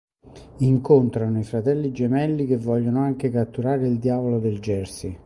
Incontrano i Fratelli gemelli che vogliono anche catturare il Diavolo del Jersey.